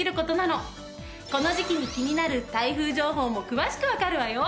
この時期に気になる台風情報も詳しくわかるわよ。